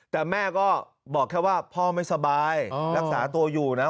แต่แม่ก็บอกแค่ว่าพ่อไม่สบายรักษาตัวอยู่นะ